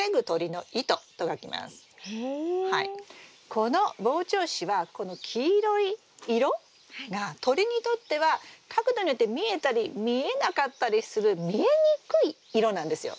この防鳥糸はこの黄色い色が鳥にとっては角度によって見えたり見えなかったりする見えにくい色なんですよ。